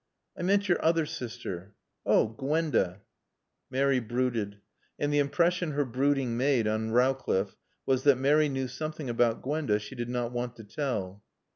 "I meant your other sister." "Oh, Gwenda " Mary brooded. And the impression her brooding made on Rowcliffe was that Mary knew something about Gwenda she did not want to tell.